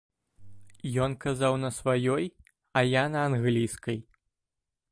Ён казаў на сваёй, а я на англійскай.